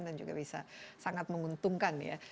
dan juga bisa sangat menguntungkan ya